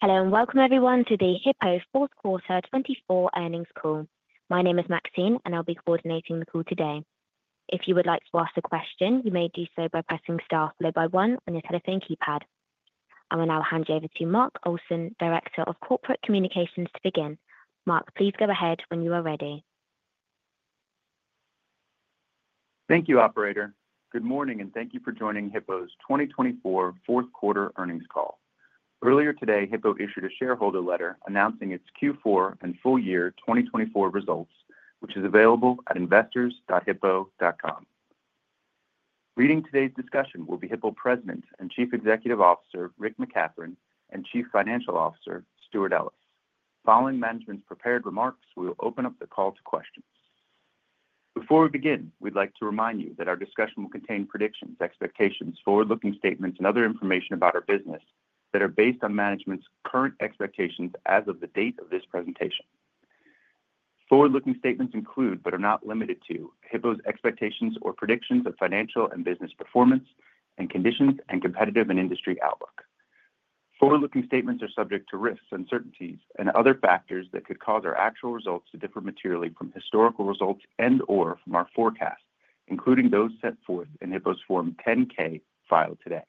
Hello, and welcome everyone to Hippo's Fourth Quarter 2024 Earnings Call. My name is Maxine, and I'll be coordinating the call today. If you would like to ask a question, you may do so by pressing star followed by one on your telephone keypad. I will now hand you over to Mark Olson, Director of Corporate Communications, to begin. Mark, please go ahead when you are ready. Thank you, Operator. Good morning, and thank you for joining Hippo's 2024 Fourth Quarter Earnings Call. Earlier today, Hippo issued a shareholder letter announcing its Q4 and full year 2024 results, which is available at investors.hippo.com. Reading today's discussion will be Hippo President and Chief Executive Officer Rick McCathron and Chief Financial Officer Stewart Ellis. Following management's prepared remarks, we will open up the call to questions. Before we begin, we'd like to remind you that our discussion will contain predictions, expectations, forward-looking statements, and other information about our business that are based on management's current expectations as of the date of this presentation. Forward-looking statements include, but are not limited to, Hippo's expectations or predictions of financial and business performance and conditions and competitive and industry outlook. Forward-looking statements are subject to risks, uncertainties, and other factors that could cause our actual results to differ materially from historical results and/or from our forecast, including those set forth in Hippo's Form 10-K filed today.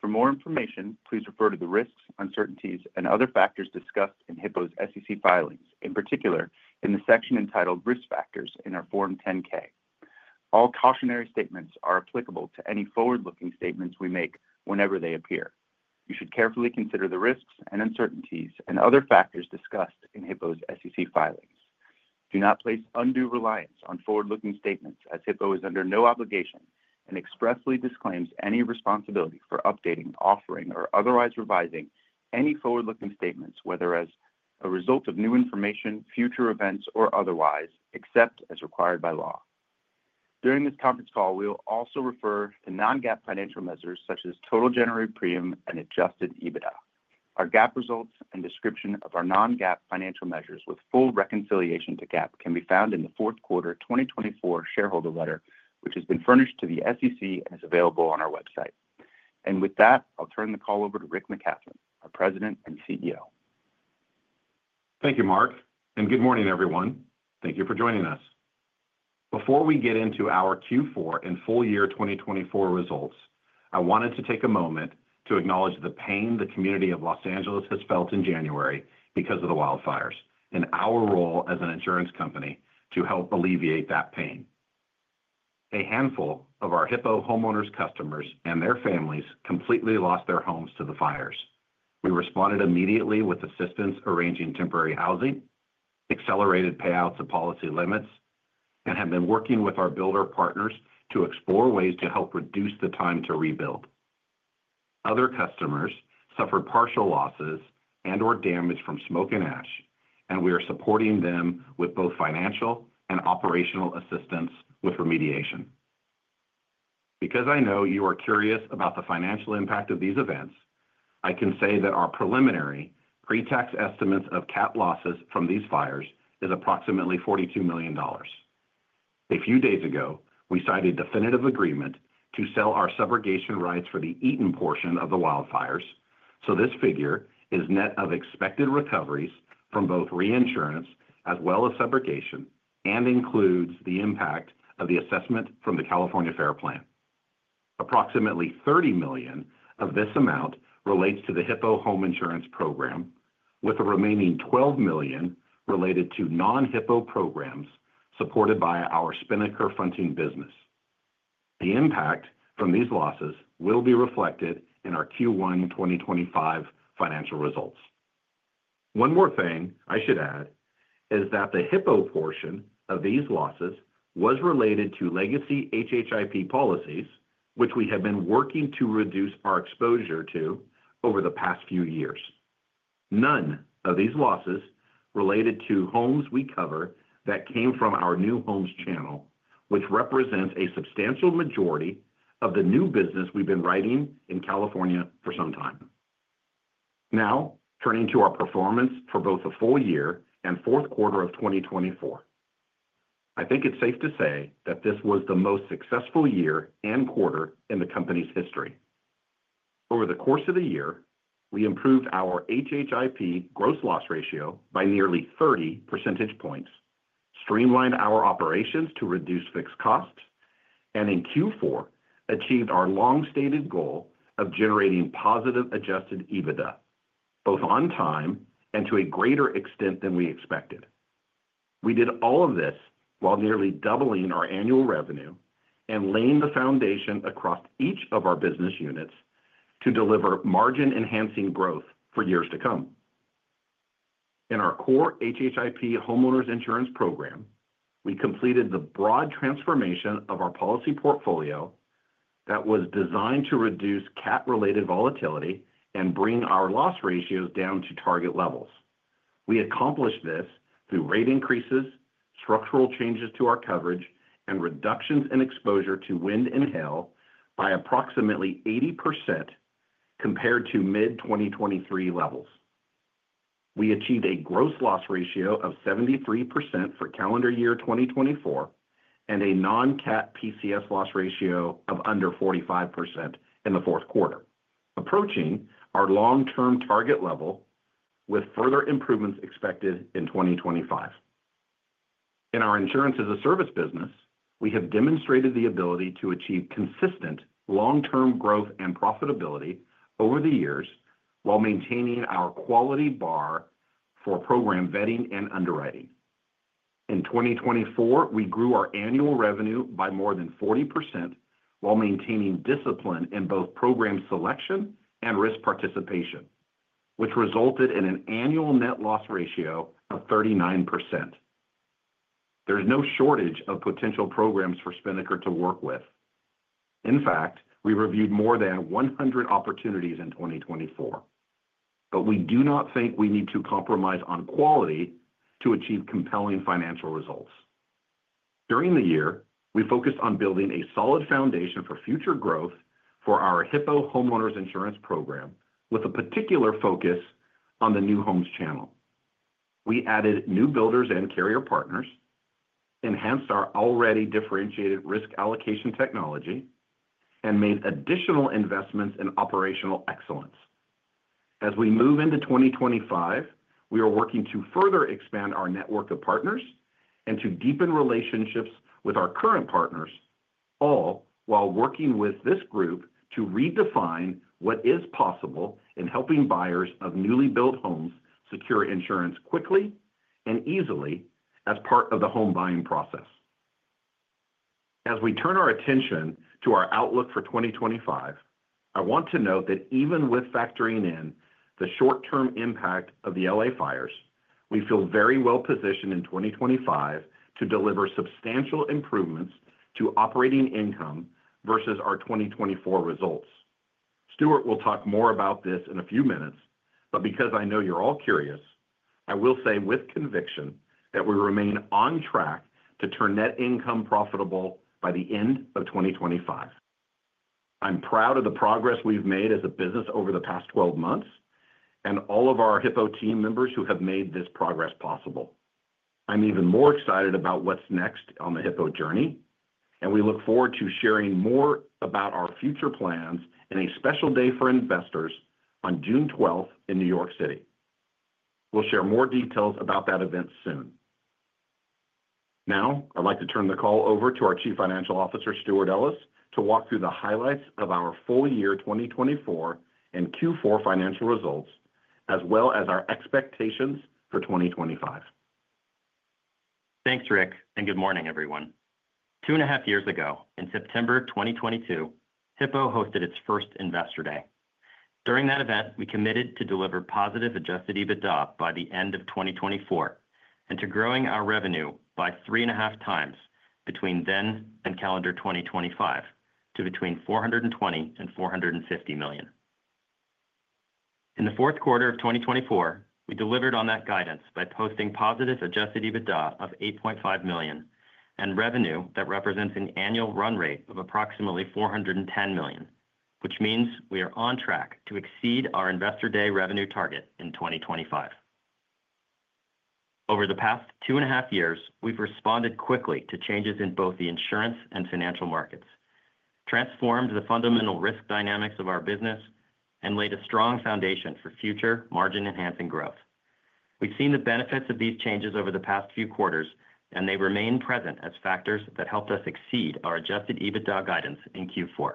For more information, please refer to the risks, uncertainties, and other factors discussed in Hippo's SEC filings, in particular in the section entitled Risk Factors in our Form 10-K. All cautionary statements are applicable to any forward-looking statements we make whenever they appear. You should carefully consider the risks and uncertainties and other factors discussed in Hippo's SEC filings. Do not place undue reliance on forward-looking statements, as Hippo is under no obligation and expressly disclaims any responsibility for updating, offering, or otherwise revising any forward-looking statements, whether as a result of new information, future events, or otherwise, except as required by law. During this conference call, we will also refer to non-GAAP financial measures such as total generated premium and adjusted EBITDA. Our GAAP results and description of our non-GAAP financial measures with full reconciliation to GAAP can be found in the fourth quarter 2024 shareholder letter, which has been furnished to the SEC and is available on our website. With that, I'll turn the call over to Rick McCathron, our President and CEO. Thank you, Mark, and good morning, everyone. Thank you for joining us. Before we get into our Q4 and Full Year 2024 Results, I wanted to take a moment to acknowledge the pain the community of Los Angeles has felt in January because of the wildfires and our role as an insurance company to help alleviate that pain. A handful of our Hippo homeowners' customers and their families completely lost their homes to the fires. We responded immediately with assistance arranging temporary housing, accelerated payouts of policy limits, and have been working with our builder partners to explore ways to help reduce the time to rebuild. Other customers suffered partial losses and/or damage from smoke and ash, and we are supporting them with both financial and operational assistance with remediation. Because I know you are curious about the financial impact of these events, I can say that our preliminary pre-tax estimates of Cat losses from these fires is approximately $42 million. A few days ago, we signed a definitive agreement to sell our subrogation rights for the Eaton portion of the wildfires, so this figure is net of expected recoveries from both reinsurance as well as subrogation and includes the impact of the assessment from the California FAIR Plan. Approximately $30 million of this amount relates to the Hippo Home Insurance Program, with the remaining $12 million related to non-Hippo programs supported by our Spinnaker fronting business. The impact from these losses will be reflected in our Q1 2025 financial results. One more thing I should add is that the Hippo portion of these losses was related to legacy HHIP policies, which we have been working to reduce our exposure to over the past few years. None of these losses related to homes we cover that came from our new homes channel, which represents a substantial majority of the new business we've been writing in California for some time. Now, turning to our performance for both the full year and fourth quarter of 2024, I think it's safe to say that this was the most successful year and quarter in the company's history. Over the course of the year, we improved our HHIP gross loss ratio by nearly 30 percentage points, streamlined our operations to reduce fixed costs, and in Q4 achieved our long-stated goal of generating positive adjusted EBITDA, both on time and to a greater extent than we expected. We did all of this while nearly doubling our annual revenue and laying the foundation across each of our business units to deliver margin-enhancing growth for years to come. In our core HHIP homeowners insurance program, we completed the broad transformation of our policy portfolio that was designed to reduce Cat-related volatility and bring our loss ratios down to target levels. We accomplished this through rate increases, structural changes to our coverage, and reductions in exposure to wind and hail by approximately 80% compared to mid-2023 levels. We achieved a gross loss ratio of 73% for calendar year 2024 and a non-Cat PCS loss ratio of under 45% in the fourth quarter, approaching our long-term target level with further improvements expected in 2025. In our Insurance-as-a-Service business, we have demonstrated the ability to achieve consistent long-term growth and profitability over the years while maintaining our quality bar for program vetting and underwriting. In 2024, we grew our annual revenue by more than 40% while maintaining discipline in both program selection and risk participation, which resulted in an annual net loss ratio of 39%. There is no shortage of potential programs for Spinnaker to work with. In fact, we reviewed more than 100 opportunities in 2024, but we do not think we need to compromise on quality to achieve compelling financial results. During the year, we focused on building a solid foundation for future growth for our Hippo Home Insurance Program, with a particular focus on the new homes channel. We added new builders and carrier partners, enhanced our already differentiated risk allocation technology, and made additional investments in operational excellence. As we move into 2025, we are working to further expand our network of partners and to deepen relationships with our current partners, all while working with this group to redefine what is possible in helping buyers of newly built homes secure insurance quickly and easily as part of the home buying process. As we turn our attention to our outlook for 2025, I want to note that even with factoring in the short-term impact of the LA fires, we feel very well positioned in 2025 to deliver substantial improvements to operating income versus our 2024 results. Stewart will talk more about this in a few minutes, because I know you're all curious, I will say with conviction that we remain on track to turn net income profitable by the end of 2025. I'm proud of the progress we've made as a business over the past 12 months and all of our Hippo team members who have made this progress possible. I'm even more excited about what's next on the Hippo journey, and we look forward to sharing more about our future plans in a special day for investors on June 12 in New York City. We'll share more details about that event soon. Now, I'd like to turn the call over to our Chief Financial Officer, Stewart Ellis, to walk through the highlights of our full year 2024 and Q4 financial results, as well as our expectations for 2025. Thanks, Rick, and good morning, everyone. Two and a half years ago, in September 2022, Hippo hosted its first Investor Day. During that event, we committed to deliver positive adjusted EBITDA by the end of 2024 and to growing our revenue by three and a half times between then and calendar 2025 to between $420 million and $450 million. In the fourth quarter of 2024, we delivered on that guidance by posting positive adjusted EBITDA of $8.5 million and revenue that represents an annual run rate of approximately $410 million, which means we are on track to exceed our Investor Day revenue target in 2025. Over the past two and a half years, we've responded quickly to changes in both the insurance and financial markets, transformed the fundamental risk dynamics of our business, and laid a strong foundation for future margin-enhancing growth. We've seen the benefits of these changes over the past few quarters, and they remain present as factors that helped us exceed our adjusted EBITDA guidance in Q4.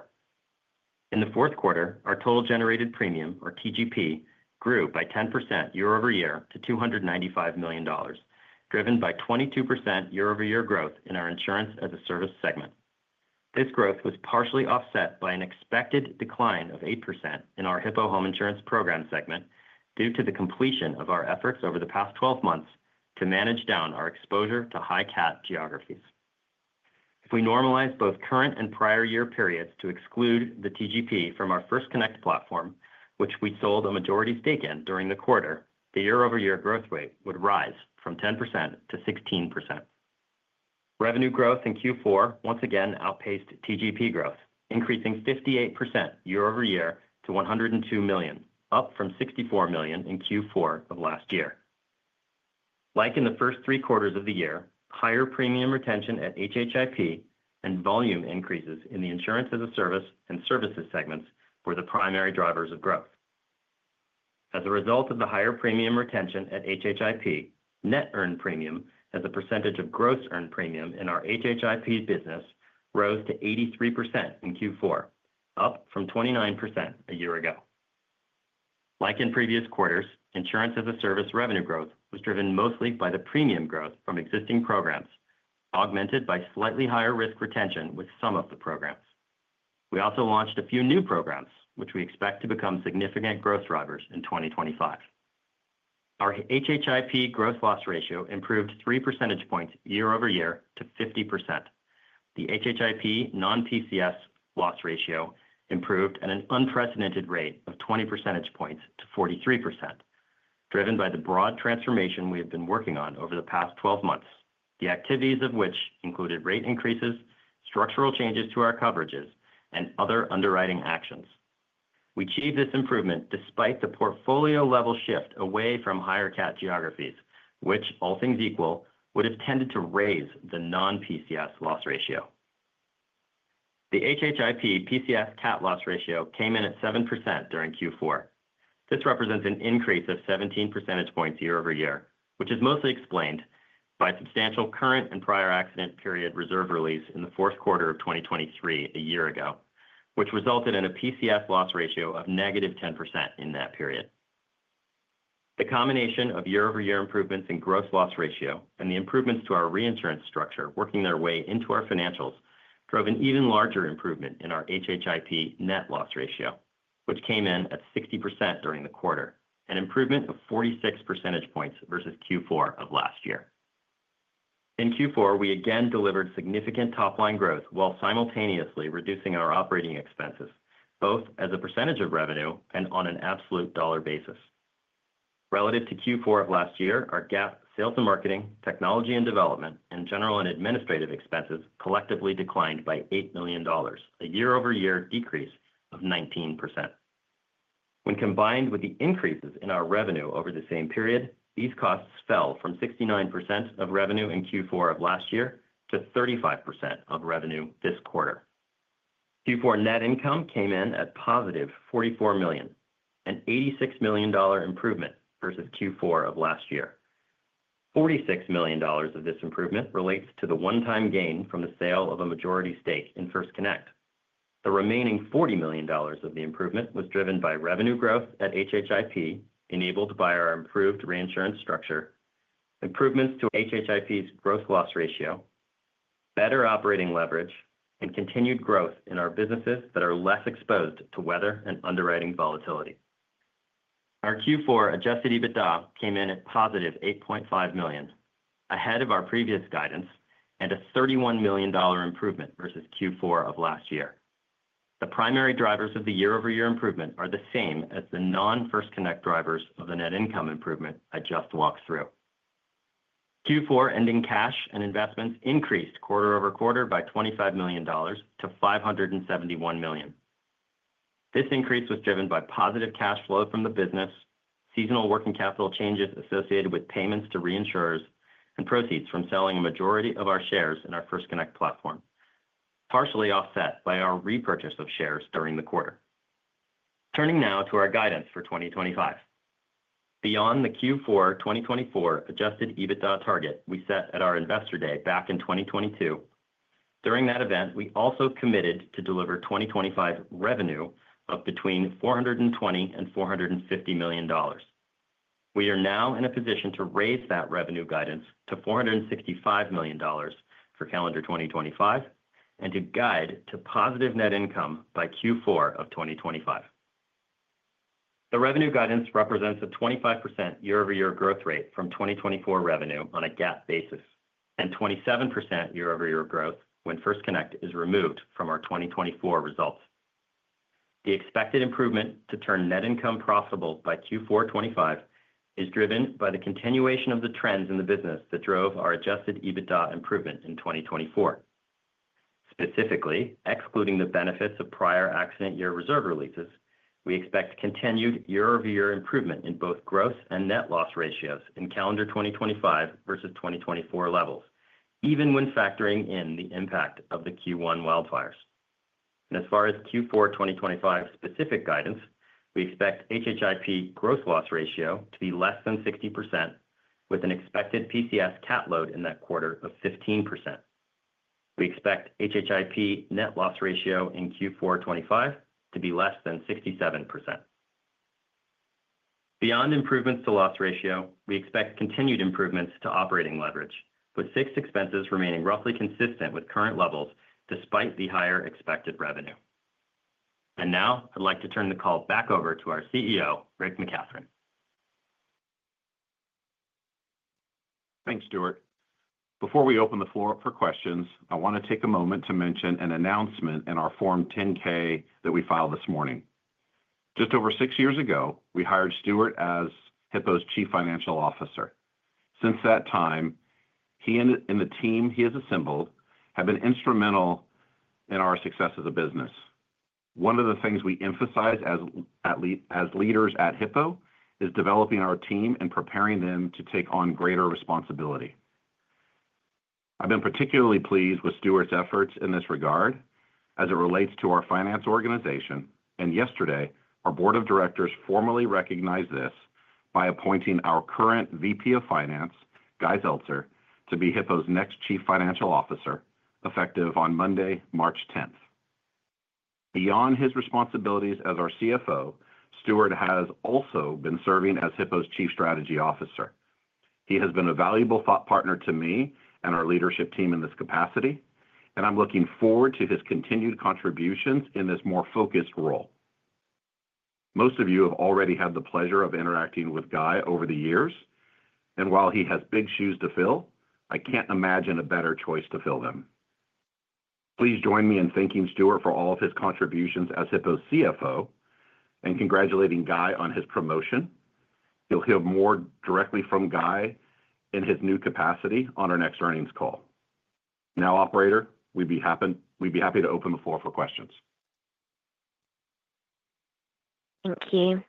In the fourth quarter, our total generated premium, or TGP, grew by 10% year over year to $295 million, driven by 22% year over year growth in our Insurance-as-a-Service segment. This growth was partially offset by an expected decline of 8% in our Hippo Home Insurance Program segment due to the completion of our efforts over the past 12 months to manage down our exposure to high Cat geographies. If we normalize both current and prior year periods to exclude the TGP from our First Connect platform, which we sold a majority stake in during the quarter, the year over year growth rate would rise from 10% to 16%. Revenue growth in Q4 once again outpaced TGP growth, increasing 58% year over year to $102 million, up from $64 million in Q4 of last year. Like in the first three quarters of the year, higher premium retention at HHIP and volume increases in the Insurance-as-a-Service and services segments were the primary drivers of growth. As a result of the higher premium retention at HHIP, net earned premium as a percentage of gross earned premium in our HHIP business rose to 83% in Q4, up from 29% a year ago. Like in previous quarters, Insurance-as-a-Service revenue growth was driven mostly by the premium growth from existing programs, augmented by slightly higher risk retention with some of the programs. We also launched a few new programs, which we expect to become significant growth drivers in 2025. Our HHIP gross loss ratio improved 3 percentage points year over year to 50%. The HHIP non-PCS loss ratio improved at an unprecedented rate of 20 percentage points to 43%, driven by the broad transformation we have been working on over the past 12 months, the activities of which included rate increases, structural changes to our coverages, and other underwriting actions. We achieved this improvement despite the portfolio-level shift away from higher Cat geographies, which, all things equal, would have tended to raise the non-PCS loss ratio. The HHIP PCS Cat loss ratio came in at 7% during Q4. This represents an increase of 17 percentage points year over year, which is mostly explained by substantial current and prior accident period reserve release in the fourth quarter of 2023 a year ago, which resulted in a PCS loss ratio of negative 10% in that period. The combination of year-over-year improvements in gross loss ratio and the improvements to our reinsurance structure working their way into our financials drove an even larger improvement in our HHIP net loss ratio, which came in at 60% during the quarter, an improvement of 46 percentage points versus Q4 of last year. In Q4, we again delivered significant top-line growth while simultaneously reducing our operating expenses, both as a percentage of revenue and on an absolute dollar basis. Relative to Q4 of last year, our GAAP sales and marketing, technology and development, and general and administrative expenses collectively declined by $8 million, a year-over-year decrease of 19%. When combined with the increases in our revenue over the same period, these costs fell from 69% of revenue in Q4 of last year to 35% of revenue this quarter. Q4 net income came in at positive $44 million, an $86 million improvement versus Q4 of last year. $46 million of this improvement relates to the one-time gain from the sale of a majority stake in First Connect. The remaining $40 million of the improvement was driven by revenue growth at HHIP enabled by our improved reinsurance structure, improvements to HHIP's gross loss ratio, better operating leverage, and continued growth in our businesses that are less exposed to weather and underwriting volatility. Our Q4 adjusted EBITDA came in at positive $8.5 million, ahead of our previous guidance and a $31 million improvement versus Q4 of last year. The primary drivers of the year-over-year improvement are the same as the non-First Connect drivers of the net income improvement I just walked through. Q4 ending cash and investments increased quarter over quarter by $25 million to $571 million. This increase was driven by positive cash flow from the business, seasonal working capital changes associated with payments to reinsurers, and proceeds from selling a majority of our shares in our First Connect platform, partially offset by our repurchase of shares during the quarter. Turning now to our guidance for 2025. Beyond the Q4 2024 adjusted EBITDA target we set at our Investor Day back in 2022, during that event, we also committed to deliver 2025 revenue of between $420 million and $450 million. We are now in a position to raise that revenue guidance to $465 million for calendar 2025 and to guide to positive net income by Q4 of 2025. The revenue guidance represents a 25% year-over-year growth rate from 2024 revenue on a GAAP basis and 27% year-over-year growth when First Connect is removed from our 2024 results. The expected improvement to turn net income profitable by Q4 2025 is driven by the continuation of the trends in the business that drove our adjusted EBITDA improvement in 2024. Specifically, excluding the benefits of prior accident year reserve releases, we expect continued year-over-year improvement in both gross and net loss ratios in calendar 2025 versus 2024 levels, even when factoring in the impact of the Q1 wildfires. As far as Q4 2025 specific guidance, we expect HHIP gross loss ratio to be less than 60%, with an expected PCS Cat load in that quarter of 15%. We expect HHIP net loss ratio in Q4 2025 to be less than 67%. Beyond improvements to loss ratio, we expect continued improvements to operating leverage, with fixed expenses remaining roughly consistent with current levels despite the higher expected revenue. And now, I'd like to turn the call back over to our CEO, Rick McCathron. Thanks, Stewart. Before we open the floor up for questions, I want to take a moment to mention an announcement in our Form 10-K that we filed this morning. Just over six years ago, we hired Stewart as Hippo's Chief Financial Officer. Since that time, he and the team he has assembled have been instrumental in our success as a business. One of the things we emphasize as as leaders at Hippo is developing our team and preparing them to take on greater responsibility. I've been particularly pleased with Stewart's efforts in this regard as it relates to our finance organization, and yesterday, our Board of Directors formally recognized this by appointing our current VP of Finance, Guy Zeltser, to be Hippo's next Chief Financial Officer effective on Monday, March 10th. Beyond his responsibilities as our CFO, Stewart has also been serving as Hippo's Chief Strategy Officer. He has been a valuable thought partner to me and our leadership team in this capacity, and I'm looking forward to his continued contributions in this more focused role. Most of you have already had the pleasure of interacting with Guy over the years, and while he has big shoes to fill, I can't imagine a better choice to fill them. Please join me in thanking Stewart for all of his contributions as Hippo's CFO and congratulating Guy on his promotion. You'll hear more directly from Guy in his new capacity on our next earnings call. Now, Operator, we'd be happy to open the floor for questions. Thank you.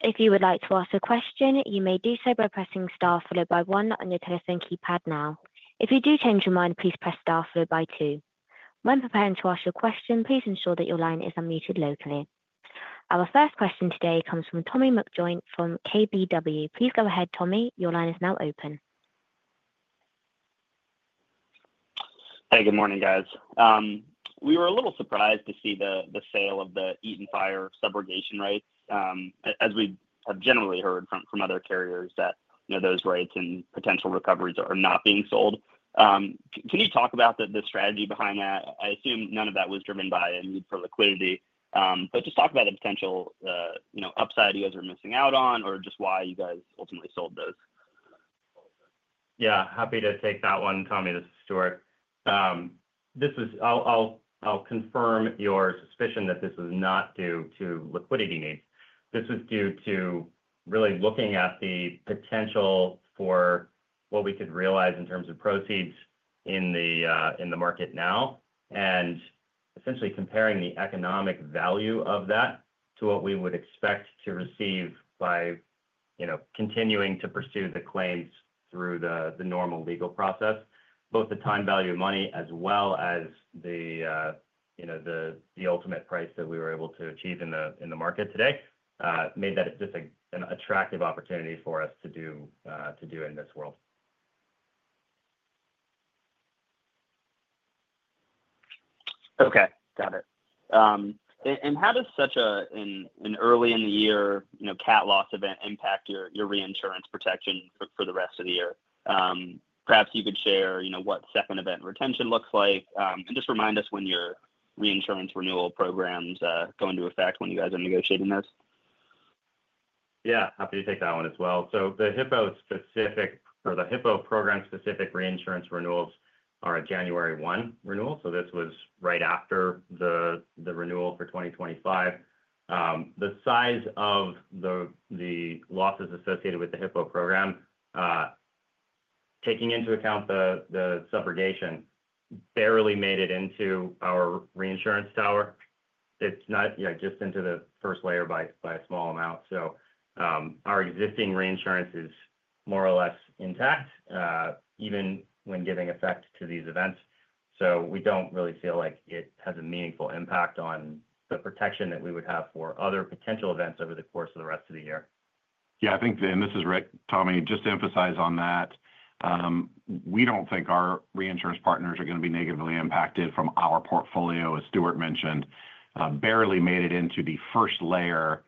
If you would like to ask a question, you may do so by pressing star followed by one on your telephone keypad now. If you do change your mind, please press star followed by two. When preparing to ask your question, please ensure that your line is unmuted locally. Our first question today comes from Tommy McJoynt from KBW. Please go ahead, Tommy. Your line is now open. Hey, good morning, guys. We were a little surprised to see the sale of the Eaton Fire subrogation rights, as we have generally heard from other carriers that those rights and potential recoveries are not being sold. Can you talk about the strategy behind that? I assume none of that was driven by a need for liquidity, but just talk about the potential upside you guys are missing out on or just why you guys ultimately sold those. Yeah, happy to take that one, Tommy. This is Stewart. I'll confirm your suspicion that this was not due to liquidity needs. This was due to really looking at the potential for what we could realize in terms of proceeds in the, in the market now and essentially comparing the economic value of that to what we would expect to receive by, you know, continuing to pursue the claims through the normal legal process. Both the time value of money as well as the, you know, the ultimate price that we were able to achieve in the market today made that just an attractive opportunity for us to do to do in this world. Okay, got it. And how does such an early in the year Cat loss event impact your reinsurance protection for the rest of the year? Perhaps you could share what second event retention looks like and just remind us when your reinsurance renewal programs go into effect when you guys are negotiating this. Yeah, happy to take that one as well. The Hippo program-specific reinsurance renewals are a January 1 renewal, so this was right after the renewal for 2025. The size of the losses associated with the Hippo program, taking into account the the subrogation, barely made it into our reinsurance tower. It's not just into the first layer by a small amount. So our existing reinsurance is more or less intact, even when giving effect to these events. So we don't really feel like it has a meaningful impact on the protection that we would have for other potential events over the course of the rest of the year. Yeah, I think, and this is Rick, Tommy, just to emphasize on that, we don't think our reinsurance partners are going to be negatively impacted from our portfolio, as Stewart mentioned. Barely made it into the first layer,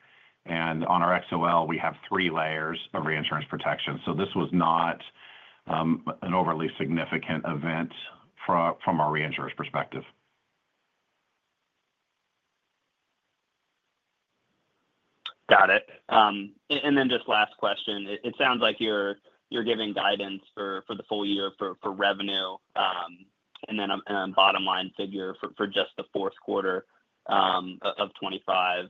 and on our XOL, we have three layers of reinsurance protection. So this was not an overly significant event from from our reinsurance perspective. Got it. And then just last question. It sounds like you're, you're giving guidance for the full year for revenue and then a bottom-line figure for just the fourth quarter of 2025.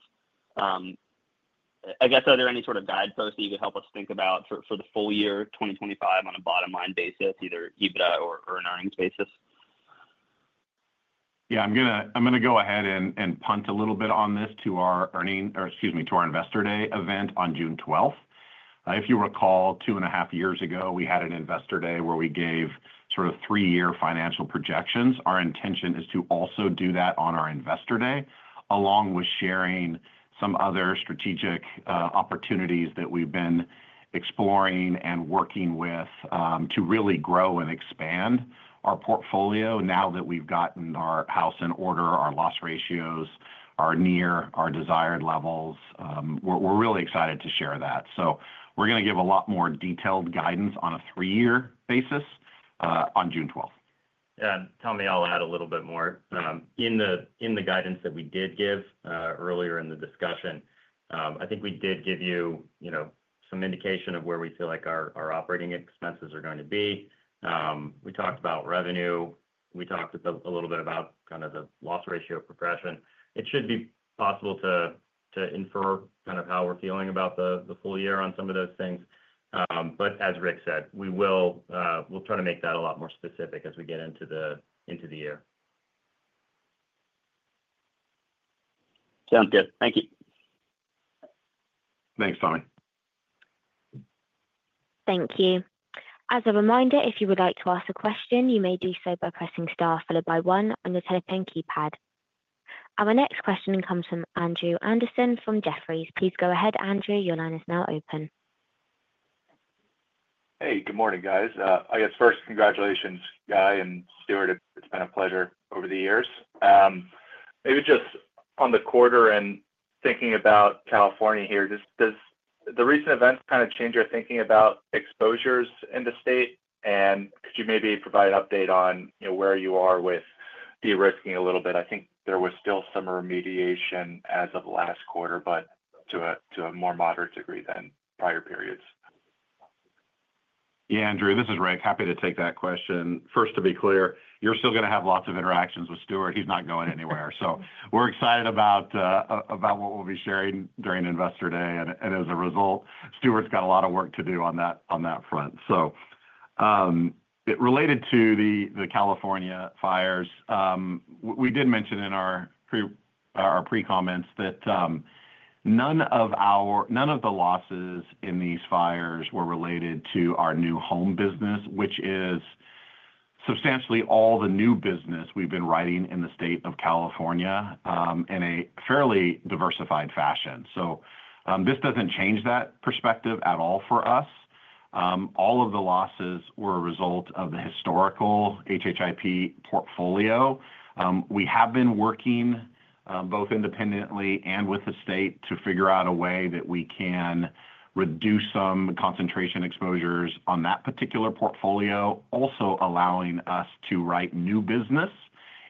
I guess, are there any sort of guideposts that you could help us think about for the full year 2025 on a bottom-line basis, either EBITDA or an earnings basis? Yeah, I'm going to go ahead and punt a little bit on this to our earnings, or excuse me, to our Investor Day event on June 12th. If you recall, two and a half years ago, we had an Investor Day where we gave sort of three-year financial projections. Our intention is to also do that on our Investor Day, along with sharing some other strategic opportunities that we've been exploring and working with to really grow and expand our portfolio now that we've gotten our house in order, our loss ratios are near our desired levels. We're really excited to share that. We are going to give a lot more detailed guidance on a three-year basis on June 12th. Yeah, and Tommy, I'll add a little bit more. In in the guidance that we did give earlier in the discussion, I think we did give you, you know, some indication of where we feel like our operating expenses are going to be. We talked about revenue. We talked a little bit about kind of the loss ratio progression. It should be possible to infer kind of how we're feeling about the full year on some of those things. As Rick said, we will, we'll try to make that a lot more specific as we get into the year. Sounds good. Thank you. Thanks, Tommy. Thank you. As a reminder, if you would like to ask a question, you may do so by pressing star followed by one on your telephone keypad. Our next question comes from Andrew Andersen from Jefferies. Please go ahead, Andrew. Your line is now open. Hey, good morning, guys. I guess first, congratulations, Guy and Stewart. It's been a pleasure over the years. Maybe just on the quarter and thinking about California here, does the recent event kind of change your thinking about exposures in the state? Could you maybe provide an update on where you are with de-risking a little bit? I think there was still some remediation as of last quarter, but to a more moderate degree than prior periods. Yeah, Andrew, this is Rick. Happy to take that question. First, to be clear, you're still going to have lots of interactions with Stewart. He's not going anywhere. We are excited about what we'll be sharing during Investor Day. As a result, Stewart's got a lot of work to do, on that, on that front. So related to the California fires, we did mention in our pre-comments that none of our, none of the losses in these fires were related to our new home business, which is substantially all the new business we've been writing in the state of California in a fairly diversified fashion. So this does not change that perspective at all for us. All of the losses were a result of the historical HHIP portfolio. We have been working both independently and with the state to figure out a way that we can reduce some concentration exposures on that particular portfolio, also allowing us to write new business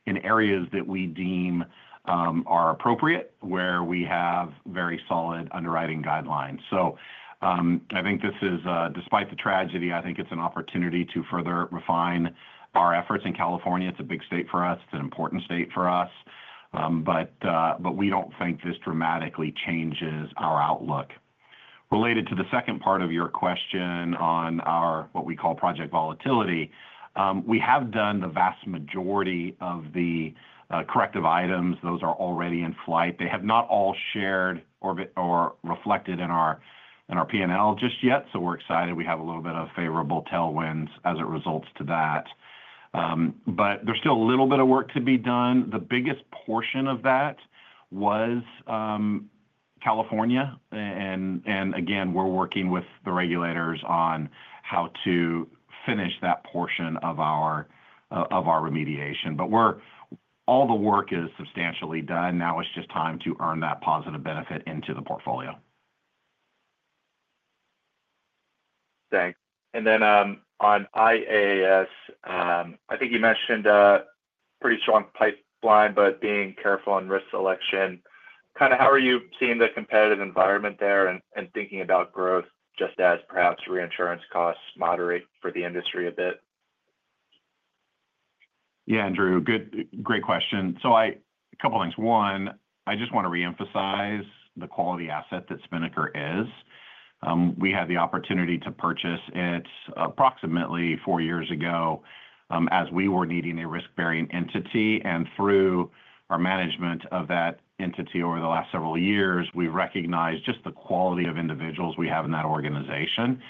in areas that we deem are appropriate, where we have very solid underwriting guidelines. So I think this is, despite the tragedy, I think it's an opportunity to further refine our efforts in California. It's a big state for us. It's an important state for us. We don't think this dramatically changes our outlook. Related to the second part of your question on our what we call Project Volatility, we have done the vast majority of the corrective items. Those are already in flight. They have not all shared or reflected in our P&L just yet. So we're excited. We have a little bit of favorable tailwinds as it results to that. But there is still a little bit of work to be done. The biggest portion of that was California. And and again, we are working with the regulators on how to finish that portion of our of our remediation. All the work is substantially done. Now it is just time to earn that positive benefit into the portfolio. Thanks. And then on, on IAAS, I think you mentioned a pretty strong pipeline, but being careful on risk selection. Kind of how are you seeing the competitive environment there and thinking about growth just as perhaps reinsurance costs moderate for the industry a bit? Yeah, Andrew, great question. So one, I just want to reemphasize the quality asset that Spinnaker is. We had the opportunity to purchase it approximately four years ago as we were needing a risk-bearing entity. Through our management of that entity over the last several years, we recognized just the quality of individuals we have in that organization.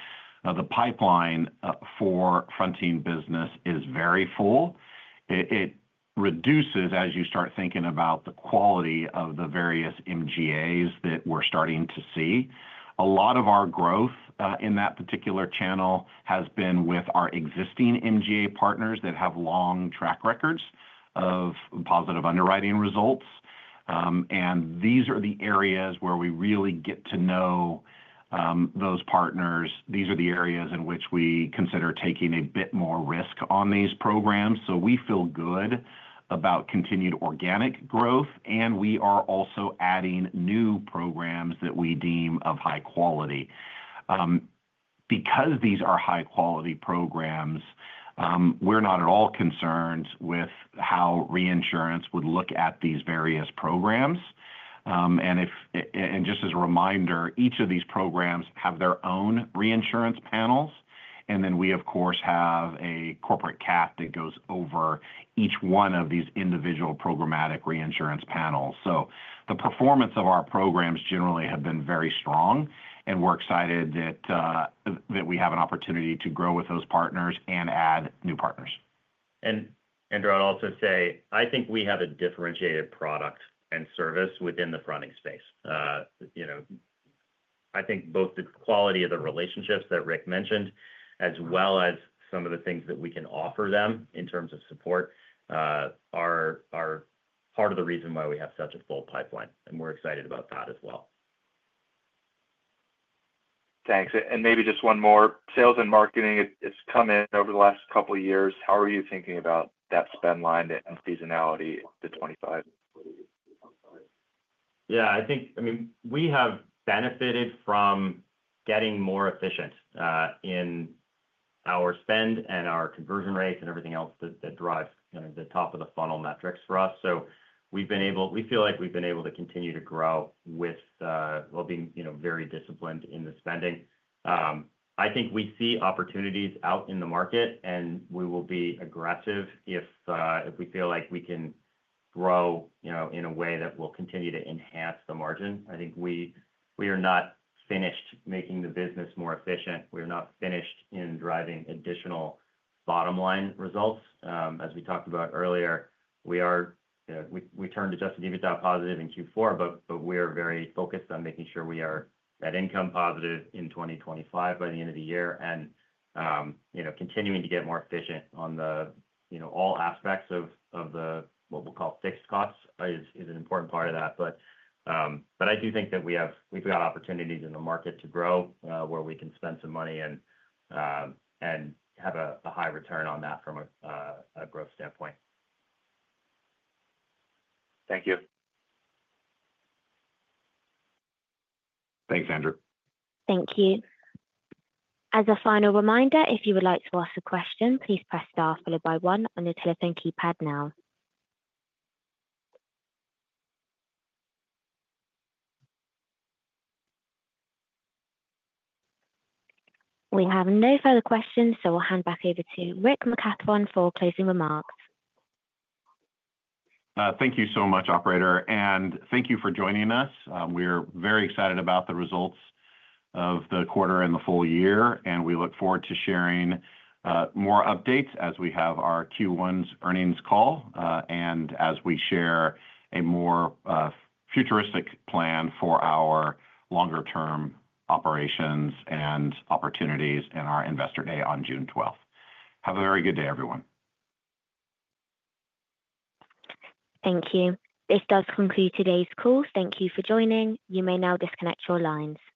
The pipeline for fronting business is very full. It reduces as you start thinking about the quality of the various MGAs that we're starting to see. A lot of our growth in that particular channel has been with our existing MGA partners that have long track records of positive underwriting results. And these are the areas where we really get to know those partners. These are the areas in which we consider taking a bit more risk on these programs. So we feel good about continued organic growth, and we are also adding new programs that we deem of high quality. Because these are high-quality programs, we're not at all concerned with how reinsurance would look at these various programs. Just as a reminder, each of these programs have their own reinsurance panels. And then we, of course, have a corporate cap that goes over each one of these individual programmatic reinsurance panels. So the performance of our programs generally have been very strong, and we're excited that we have an opportunity to grow with those partners and add new partners. And I'll also say, I think we have a differentiated product and service within the fronting space. You know, I think both the quality of the relationships that Rick mentioned, as well as some of the things that we can offer them in terms of support, are are part of the reason why we have such a full pipeline. We're excited about that as well. Thanks. And maybe just one more. Sales and marketing has come in over the last couple of years. How are you thinking about that spend line and seasonality to 2025? Yeah, I think, we have benefited from getting more efficient in our spend and our conversion rates and everything else that drives the top of the funnel metrics for us. We feel like we've been able to continue to grow with while being very disciplined in the spending. I think we see opportunities out in the market, and we will be aggressive if we feel like we can grow in a way that will continue to enhance the margin. I think we are not finished making the business more efficient. We are not finished in driving additional bottom-line results. As we talked about earlier, we are we turned to just EBITDA positive in Q4, but we are very focused on making sure we are at income positive in 2025 by the end of the year and continuing to get more efficient on all aspects of what we'll call fixed costs is an important part of that. I do think that we've got opportunities in the market to grow where we can spend some money and have a high return on that from a growth standpoint. Thank you. Thanks, Andrew. Thank you. As a final reminder, if you would like to ask a question, please press star followed by one on your telephone keypad now. We have no further questions, so we'll hand back over to Rick McCathron for closing remarks. Thank you so much, operator. Thank you for joining us. We are very excited about the results of the quarter and the full year, and we look forward to sharing more updates as we have our Q1's Earnings Call and as we share a more futuristic plan for our longer-term operations and opportunities in our Investor Day on June 12. Have a very good day, everyone. Thank you. This does conclude today's call. Thank you for joining. You may now disconnect your lines.